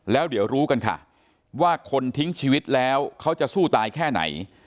แล้วเดี๋ยวรู้กันค่ะว่าคนทิ้งชีวิตแล้วเขาจะสู้ตายแค่ไหน